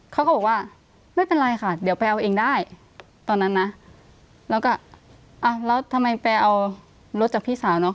เขาก็บอกว่าไม่เป็นไรค่ะเดี๋ยวไปเอาเองได้ตอนนั้นนะแล้วก็อ่ะแล้วทำไมไปเอารถจากพี่สาวเนาะ